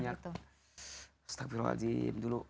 banyak astaghfirullahaladzim dulu